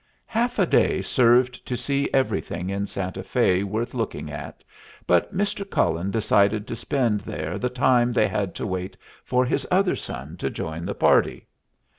Half a day served to see everything in Santa Fé worth looking at, but Mr. Cullen decided to spend there the time they had to wait for his other son to join the party.